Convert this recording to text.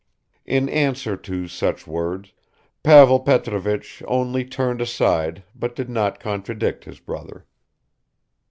In answer to such words, Pavel Petrovich only turned aside but did not contradict his brother.